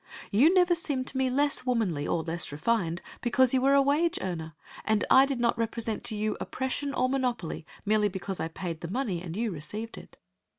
You never seemed to me less womanly or less refined because you were a wage earner, and I did not represent to you oppression or monopoly merely because I paid the money and you received it.